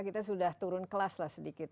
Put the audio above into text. kita sudah turun kelas lah sedikit